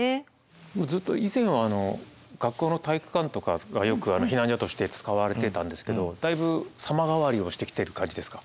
以前は学校の体育館とかがよく避難所として使われてたんですけどだいぶ様変わりをしてきている感じですか。